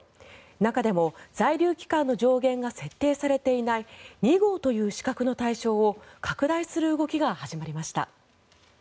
中でも、在留期間の上限が設定されていない２号という資格の対象を拡大する動きが始まりました。